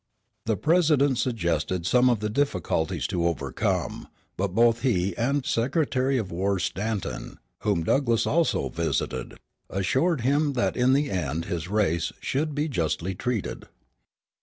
The President suggested some of the difficulties to be overcome; but both he and Secretary of War Stanton, whom Douglass also visited, assured him that in the end his race should be justly treated.